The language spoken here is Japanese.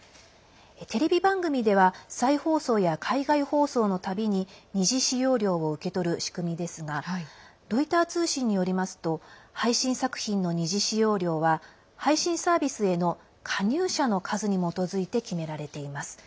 テレビ番組では再放送や海外放送のたびに二次使用料を受け取る仕組みですがロイター通信によりますと配信作品の二次使用料は配信サービスへの加入者の数に基づいて決められています。